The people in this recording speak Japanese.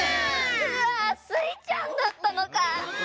うわスイちゃんだったのかぁ！